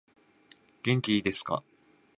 元気いですか